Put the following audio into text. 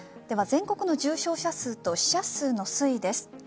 全国の重症者数と死者数の推移です。